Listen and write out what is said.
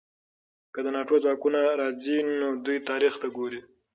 که د ناټو ځواکونه راځي، نو دوی تاریخ ته ګوري.